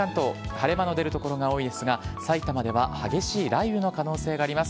晴れ間の出る所が多いですが、さいたまでは激しい雷雨の可能性があります。